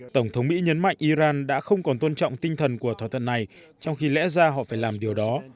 tổng thống mỹ nhấn mạnh iran đã không còn tôn trọng tinh thần của thỏa thuận này trong khi lẽ ra họ phải làm điều đó